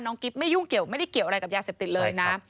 กิ๊บไม่ยุ่งเกี่ยวไม่ได้เกี่ยวอะไรกับยาเสพติดเลยนะ